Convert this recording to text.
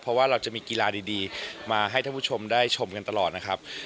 เพราะว่าเราจะมีกีฬาดีมาให้ท่านผู้ชมได้ชมกันตลอดนะครับ